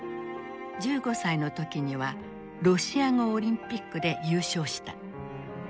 １５歳の時にはロシア語オリンピックで優勝した。